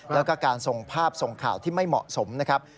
แล้วก็การส่งภาพส่งข่าวที่ไม่เหมาะสมนะครับ